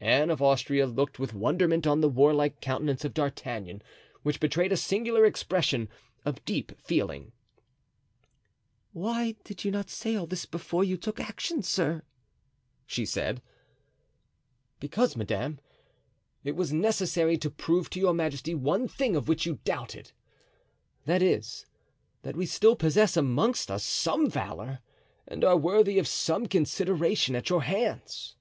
Anne of Austria looked with wonderment on the warlike countenance of D'Artagnan, which betrayed a singular expression of deep feeling. "Why did you not say all this before you took action, sir?" she said. "Because, madame, it was necessary to prove to your majesty one thing of which you doubted— that is, that we still possess amongst us some valor and are worthy of some consideration at your hands."